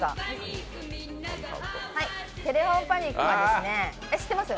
「テレホンパニック」は、知ってます？